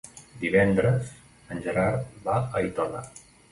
Divendres en Gerard va a Aitona.